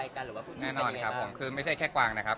มีการให้กำลังใจกันหรือว่าแน่นอนครับผมคือไม่ใช่แค่กวางนะครับ